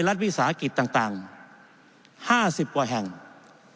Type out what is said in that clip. ลักษณ์วิษาอาคศักษ์ต่างต่างห้าสิบกว่าแห่งท่านประท